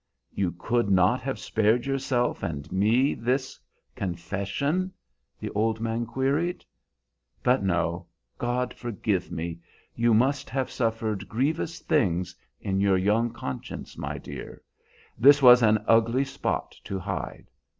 "You could not have spared yourself and me this confession?" the old man queried. "But no, God forgive me! You must have suffered grievous things in your young conscience, my dear; this was an ugly spot to hide.